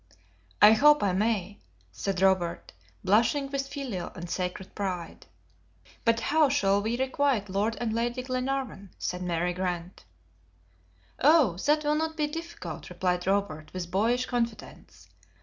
"I hope I may," said Robert, blushing with filial and sacred pride. "But how shall we requite Lord and Lady Glenarvan?" said Mary Grant. "Oh, that will not be difficult," replied Robert, with boyish confidence.